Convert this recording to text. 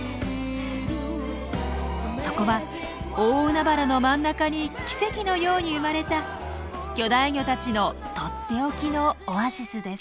そこは大海原の真ん中に奇跡のように生まれた巨大魚たちのとっておきのオアシスです。